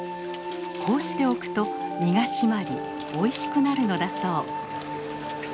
こうしておくと身が締まりおいしくなるのだそう。